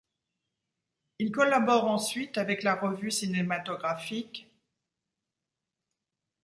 Il collabore ensuite avec la revue cinématographique '.